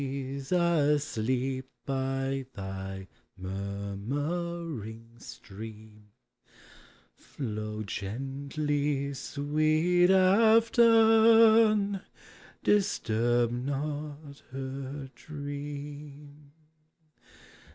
s asleep by thy murmuring stream, Flow gently, sweet Afton, disturb not her dream.